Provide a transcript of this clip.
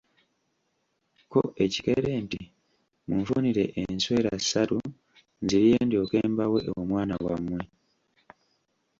Ko ekikere nti, munfunire enswera ssatu nzirye ndyoke mbawe omwana wamwe.